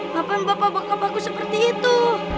bapak bapak bokap aku seperti itu